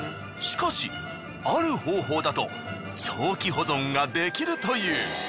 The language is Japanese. しかしある方法だと長期保存ができるという。